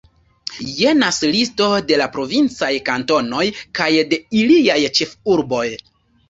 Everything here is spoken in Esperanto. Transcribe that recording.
Jenas listo de la provincaj kantonoj kaj de iliaj ĉefurboj.